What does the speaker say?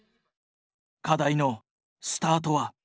課題のスタートは。